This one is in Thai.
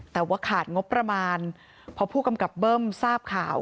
แต่ว่าขาดงบประมาณพอผู้กำกับเบิ้มทราบข่าว